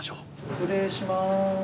失礼します。